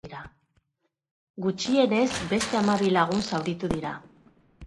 Gutxienez beste hamabi lagun zauritu dira.